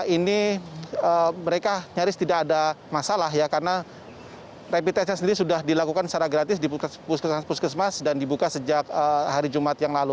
ini mereka nyaris tidak ada masalah ya karena rapid testnya sendiri sudah dilakukan secara gratis di puskesmas dan dibuka sejak hari jumat yang lalu